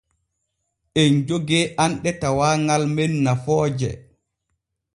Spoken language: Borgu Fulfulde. Em jogee anɗe tawaagal men nafooje.